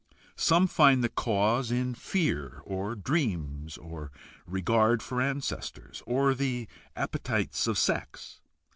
Some find the cause in fear, or dreams, or regard for ancestors, or the appetencies of sex.